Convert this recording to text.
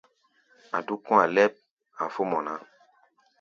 A̧ dúk kɔ̧́-a̧ lɛ́p, a̧ fó mɔ ná.